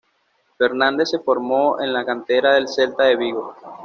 Fernández se formó en la cantera del Celta de Vigo.